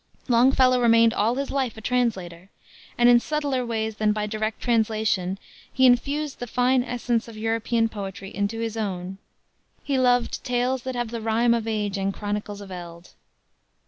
Longfellow remained all his life a translator, and in subtler ways than by direct translation he infused the fine essence of European poetry into his own. He loved "Tales that have the rime of age And chronicles of eld."